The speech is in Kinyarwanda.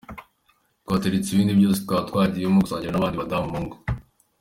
twaretse ibindi byose twaba twagiyemo gusangira n’abandi badamu mungo.